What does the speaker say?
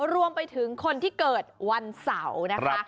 รวมไปถึงคนที่เกิดวันเสาร์นะคะ